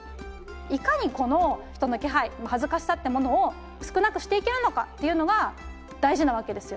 いかにこの人の気配恥ずかしさってものを少なくしていけるのかっていうのが大事なわけですよ